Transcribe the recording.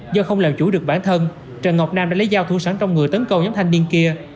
do không làm chủ được bản thân trần ngọc nam đã lấy dao thuắn trong người tấn công nhóm thanh niên kia